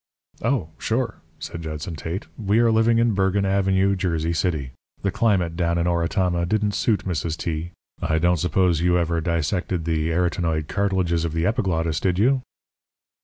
"Oh, sure," said Judson Tate. "We are living in Bergen Avenue, Jersey City. The climate down in Oratama didn't suit Mrs. T. I don't suppose you ever dissected the arytenoid cartilages of the epiglottis, did you?"